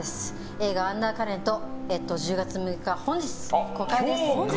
映画「アンダーカレント」１０月６日、本日公開です。